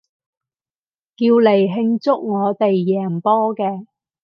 叫嚟慶祝我哋贏波嘅